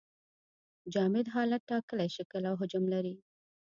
جامد حالت ټاکلی شکل او حجم لري.